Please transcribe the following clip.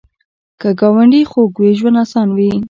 که ګاونډي خوږ وي، ژوند اسان وي